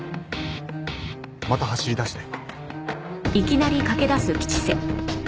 また走り出して。